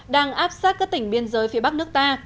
đang áp sát các tỉnh biên giới phía bắc nước ta